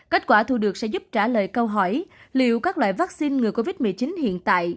kết quả thu được sẽ giúp trả lời câu hỏi liệu các loại vaccine ngừa covid một mươi chín hiện tại